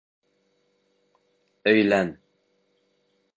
Өйлән!